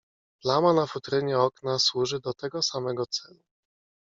"Plama na futrynie okna służy do tego samego celu."